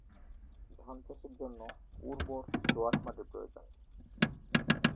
ধানচাষের জন্য উর্বর দোআঁশ মাটি প্রয়ােজন।